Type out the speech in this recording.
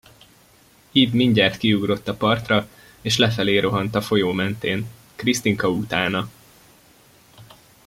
Ib mindjárt kiugrott a partra, és lefelé rohant a folyó mentén, Krisztinka utána.